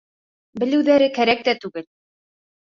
Белеүҙәре кәрәк тә түгел.